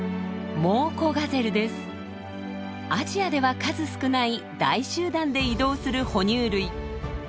アジアでは数少ない大集団で移動する哺乳類。